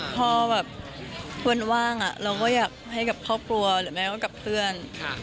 พอแบบเพื่อนว่างเราก็อยากให้กับครอบครัวหรือแม่ก็กับเพื่อน